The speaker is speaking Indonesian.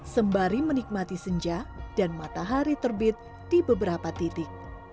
sembari menikmati senja dan matahari terbit di beberapa titik